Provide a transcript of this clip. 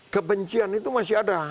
kebencian itu masih ada